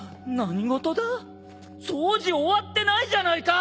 掃除終わってないじゃないか！